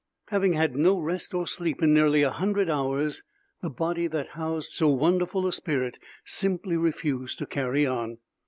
Having had no rest or sleep in nearly a hundred hours, the body that housed so wonderful a spirit simply refused to carry on.